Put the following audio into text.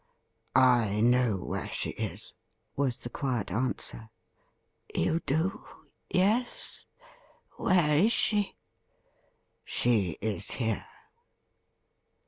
' I know where she is,' was the quiet answer. ' You do — ^yes ? Where is she i*' ' She is here.'